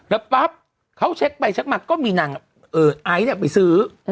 แล้วปั๊บเขาเช็คไปเช็คมาก็มีนางไอซ์ไปซื้อ